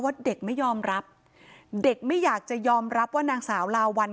เด็กไม่ยอมรับเด็กไม่อยากจะยอมรับว่านางสาวลาวัล